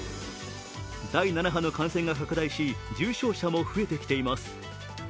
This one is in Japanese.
第７波の感染が拡大し重症者も増えてきています。